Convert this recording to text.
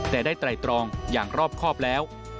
แต่ได้ไตรตรองอย่างรอบครอบแล้ว